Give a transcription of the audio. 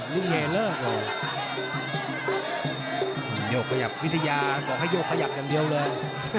ยกขยับวิทยาบอกให้ยกขยับอย่างเดียวเลย